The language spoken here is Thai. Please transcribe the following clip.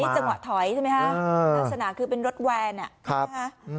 อันนี้จังหวะถอยใช่ไหมฮะอือลักษณะคือเป็นรถแวนอ่ะครับอือหือ